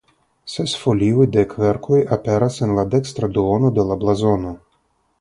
Ses folioj de kverkoj aperas en la dekstra duono de la blazono.